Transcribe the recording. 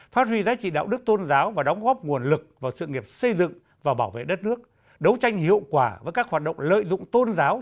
phát huy giá trị đạo đức tôn giáo và đóng góp nguồn lực vào sự nghiệp xây dựng và bảo vệ đất nước đấu tranh hiệu quả với các hoạt động lợi dụng tôn giáo